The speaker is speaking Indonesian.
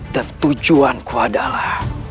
dan tujuanku adalah